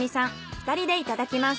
２人でいただきます。